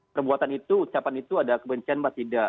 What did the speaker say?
perbuatan itu ucapan itu ada kebencian apa tidak